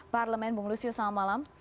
parlemen bung lusius selamat malam